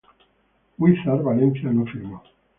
Guízar Valencia no firmó.